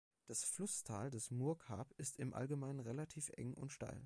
Das Flusstal des Murghab ist im Allgemeinen relativ eng und steil.